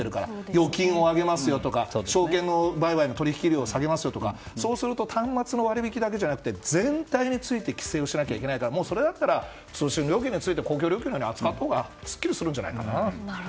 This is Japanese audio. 預金を上げますよとか証券の売買の取引料を下げますよとかそうすると端末の割引だけじゃなくて全体について規制しなきゃいけないからそれだったら公共料金として扱ったほうがすっきりするんじゃないかな。